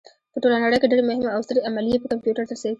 په ټوله نړۍ کې ډېرې مهمې او سترې عملیې په کمپیوټر ترسره کېږي.